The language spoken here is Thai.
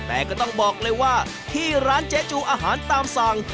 แต่ก็ต้องบอกเลยว่าที่ร้านเจ๊จูอาหารตามสั่ง